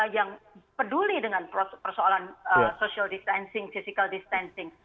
yang peduli dengan persoalan social distancing physical distancing